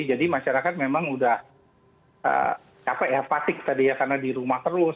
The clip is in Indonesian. jadi masyarakat memang sudah capek ya fatig tadi ya karena di rumah terus